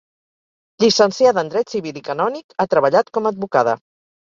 Llicenciada en Dret Civil i Canònic, ha treballat com advocada.